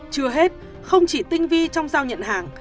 chưa hết không chỉ tinh vi trong giao nhận